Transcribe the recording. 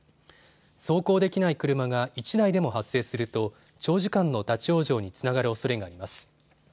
走行できない車が１台でも発生すると長時間の立往生につながるおそれがあります。